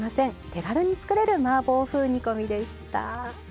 手軽に作れるマーボー風煮込みでした。